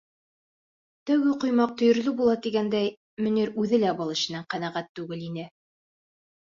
Тәүге ҡоймаҡ төйөрлө була, тигәндәй, Мөнир үҙе лә был эшенән ҡәнәғәт түгел ине.